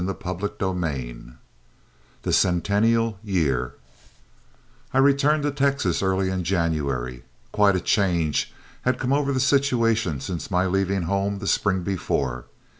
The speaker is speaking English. CHAPTER XIII THE CENTENNIAL YEAR I returned to Texas early in January. Quite a change had come over the situation since my leaving home the spring before.